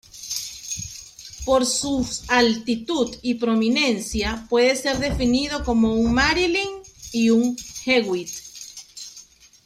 Por sus altitud y prominencia puede ser definido como un "Marilyn" y un "Hewitt".